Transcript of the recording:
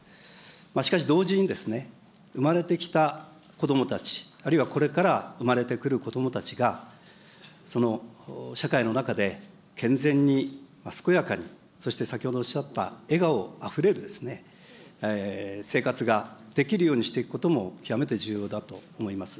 しかし同時に、生まれてきた子どもたち、あるいは、これから生まれてくる子どもたちが、その社会の中で健全に健やかにそして、先ほどおっしゃった笑顔あふれるですね、生活ができるようにしていくことも、極めて重要だと思います。